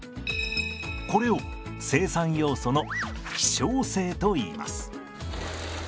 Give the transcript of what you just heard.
これを生産要素の希少性といいます。